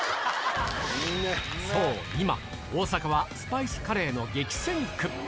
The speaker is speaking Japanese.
そう、今、大阪はスパイスカレーの激戦区。